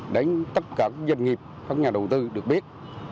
đến tất cả các doanh nghiệp các nhà đầu tư được biết